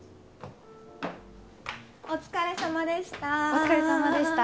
お疲れさまでした。